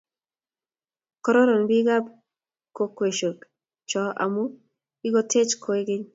kororon biikab kokwesiek cho amu ikotech kwekeny